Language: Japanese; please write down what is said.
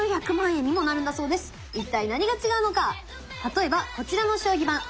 例えばこちらの将棋盤！